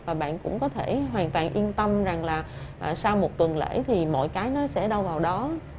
và bạn cũng có thể hoàn toàn yên tâm rằng là sau một tuần lễ thì mọi cái nó sẽ đau vào đó